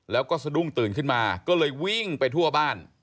แล้วก็สะดุ้งตื่นขึ้นมาก็เลยวิ่งไปทั่วบ้าน